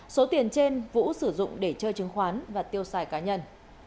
số tiền trên vũ sử dụng để chơi chứng khoán và tiêu xài cá nhân